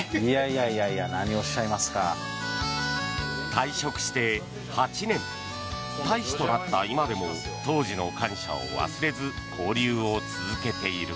退職して８年大使となった今でも当時の感謝を忘れず交流を続けている。